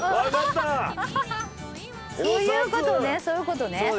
そういうことね。